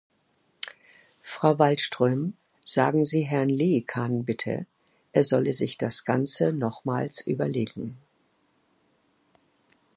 Frau Wallström, sagen Sie Herrn Liikanen bitte, er solle sich das Ganze nochmals überlegen.